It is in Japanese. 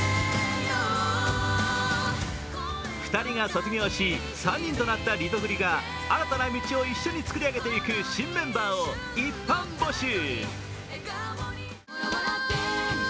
２人が卒業し、３人となったリトグリが新たな道を一緒に作り上げていく新メンバーを一般募集。